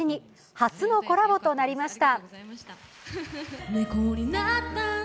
初のコラボとなりました。